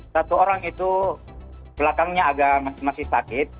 satu orang itu belakangnya masih sakit